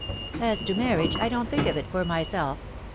As to marriage, I don't think of it for myself